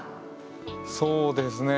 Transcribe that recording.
そうですね